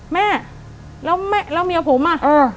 แม่แล้วแม่แล้วเมียผมอะ